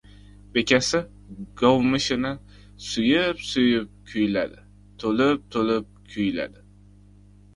Bekasi govmishini suyib-suyib kuyladi, to‘lib-to‘lib kuyladi: